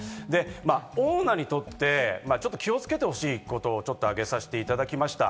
オーナーにとって気をつけてほしいことを挙げさせていただきました。